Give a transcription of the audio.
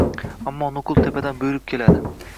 Ammo nuqul tepadan buyruq keladi